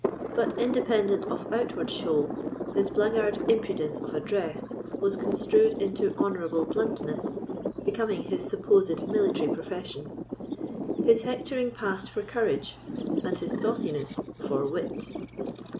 But, independent of outward show, his blackguard impudence of address was construed into honourable bluntness becoming his supposed military profession; his hectoring passed for courage, and his sauciness for wit.